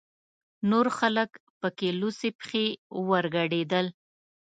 نور خلک پکې لوڅې پښې ورګډېدل.